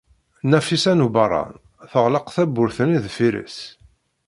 Nafisa n Ubeṛṛan teɣleq tawwurt-nni deffir-s.